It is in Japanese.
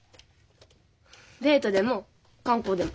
デートでも観光でも。